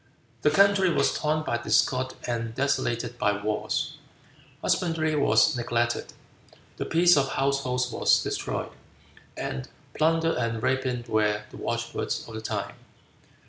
The country was torn by discord and desolated by wars. Husbandry was neglected, the peace of households was destroyed, and plunder and rapine were the watchwords of the time.